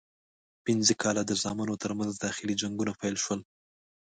پنځه کاله د زامنو ترمنځ داخلي جنګونه پیل شول.